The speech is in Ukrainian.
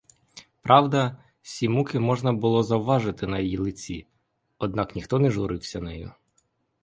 Правда, сі муки можна було завважити на її лиці, однак ніхто не журився нею.